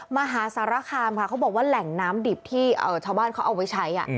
มหาสารคามค่ะเขาบอกว่าแหล่งน้ำดิบที่ชาวบ้านเขาเอาไว้ใช้